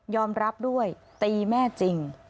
รับด้วยตีแม่จริง